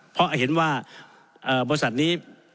เพราะเห็นว่าบริษัทนี้